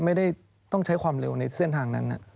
ไม่ได้ต้องใช้ความเร็วในเส้นทางนั้น